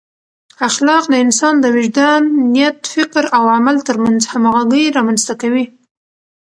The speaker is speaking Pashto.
اخلاق د انسان د وجدان، نیت، فکر او عمل ترمنځ همغږۍ رامنځته کوي.